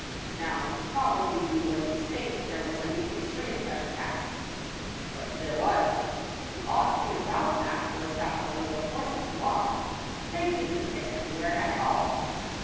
Now, probably you wouldn't think there was anything strange about that. But there was. The odd thing about that was that although the horses walked, they didn't get anywhere at all.